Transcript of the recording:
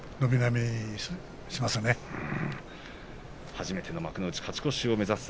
初めての幕内勝ち越しを目指す